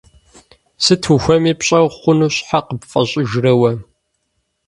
Сыт ухуейми пщӀэ хъуну щхьэ къыпфӀэщӀыжрэ уэ?